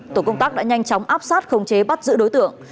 tổ công tác đã nhanh chóng áp sát không chế bắt giữ đối tượng